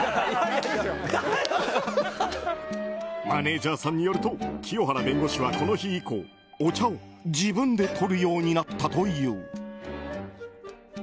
マネジャーさんによると清原弁護士はこの日以降お茶を自分で取るようになったという。